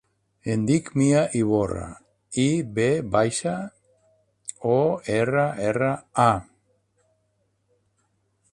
Em dic Mia Ivorra: i, ve baixa, o, erra, erra, a.